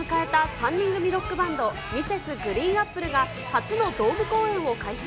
３人組ロックバンド、Ｍｒｓ．ＧＲＥＥＮＡＰＰＬＥが初のドーム公演を開催。